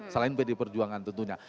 selain pd perjuangan tentunya